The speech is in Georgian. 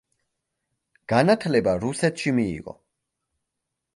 განათლება რუსეთში მიიღო.